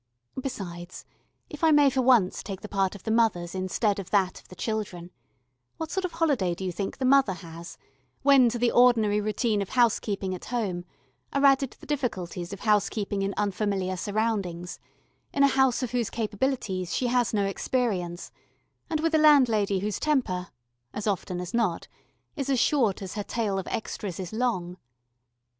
Besides, if I may for once take the part of the mothers instead of that of the children, what sort of holiday do you think the mother has, when to the ordinary routine of housekeeping at home are added the difficulties of housekeeping in unfamiliar surroundings, in a house of whose capabilities she has no experience, and with a landlady whose temper, as often as not, is as short as her tale of extras is long?